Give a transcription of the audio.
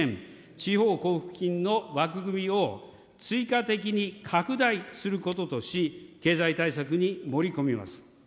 地方交付金の枠組みを追加的に拡大することとし、経済対策に盛り込みます。